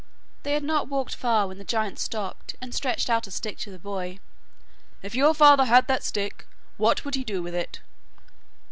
They had not walked far when the giant stopped and stretched out a stick to the boy. 'If your father had that stick, what would he do with it?